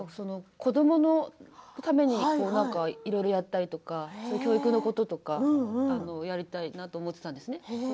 子どものためにいろいろやったりとか教育のこととかやりたいなと思っていたんですね。